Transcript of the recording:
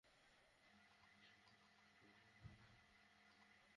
যাঁরা আগেই ঘুমিয়ে পড়েছিলেন, তাঁরা সকালে বৃষ্টিস্নাত শহর দেখে অবাক হয়েছেন।